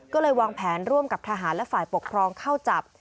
ก็เลยวางแผนร่วมกับทหารและฝ่ายปกครองเข้าจับ